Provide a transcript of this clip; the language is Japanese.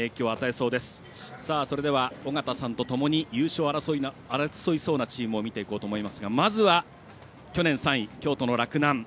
それでは、尾方さんとともに優勝を争いそうなチームを見ていこうと思いますがまずは、去年３位京都の洛南。